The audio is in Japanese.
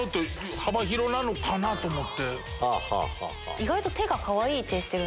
意外と。